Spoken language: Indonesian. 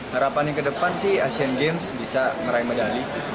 harapan yang ke depan sih sea games bisa meraih medali